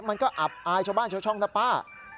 มันก็อับอายชาวบ้านชาวช่องนะป้า